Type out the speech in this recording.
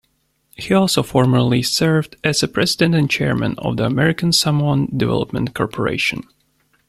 He also formerly served as president and chairman of the American Samoan Development Corporation.